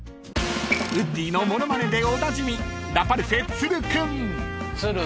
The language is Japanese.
［ウッディの物まねでおなじみ］